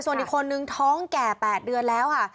ส่วนอีกคนนึงท้องแก่๘เดือนแล้วค่ะ